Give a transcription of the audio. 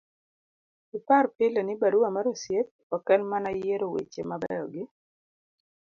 ipar pile ni barua mar osiep ok en mana yiero weche mabeyo gi